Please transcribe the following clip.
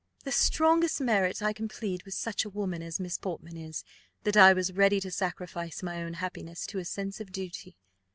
"The strongest merit I can plead with such a woman as Miss Portman is, that I was ready to sacrifice my own happiness to a sense of duty.